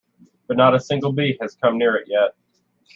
But not a single bee has come near it yet.